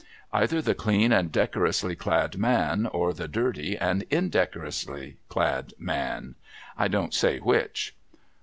Either the clean and decorously clad man, or the dirty and indecorously clad man. I don't say which.'